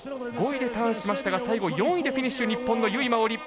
５位でターンしましたが最後４位でフィニッシュ日本の由井真緒里。